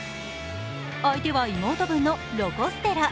相手は妹分のロコ・ステラ。